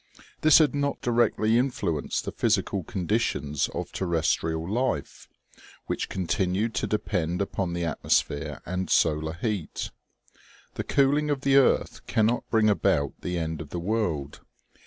This had not directly influenced the physical conditions of terrestrial life, which continued to depend upon the atmosphere and solar heat. The cooling of the earth cannot bring about the end of the world.